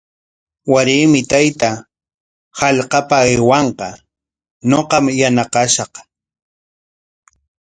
Waraymi taytaa hallqapa aywanqa, ñuqam yanaqashaq.